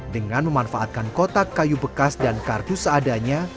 dengan memanfaatkan kotak kayu bekas dan kartu seadanya